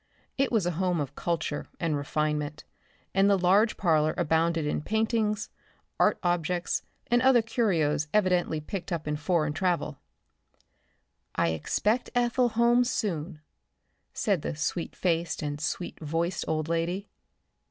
It was a home of culture and refinement, and the large parlor abounded in paintings, art objects and other curios evidently picked up in foreign travel. "I expect Ethel home soon," said the sweet faced and sweet voiced old lady.